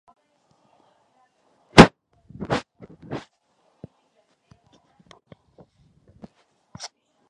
He has played in Nippon Professional Baseball for the Saitama Seibu Lions.